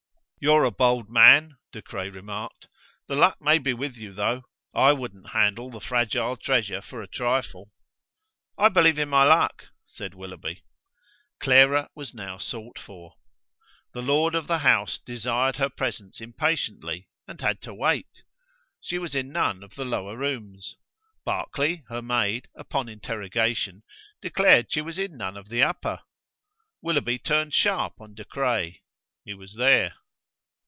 "You're a bold man," De Craye remarked. "The luck may be with you, though. I wouldn't handle the fragile treasure for a trifle." "I believe in my luck," said Willoughby. Clara was now sought for. The lord of the house desired her presence impatiently, and had to wait. She was in none of the lower rooms. Barclay, her maid, upon interrogation, declared she was in none of the upper. Willoughby turned sharp on De Craye: he was there.